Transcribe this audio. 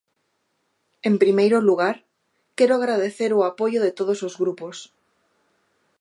En primeiro lugar, quero agradecer o apoio de todos os grupos.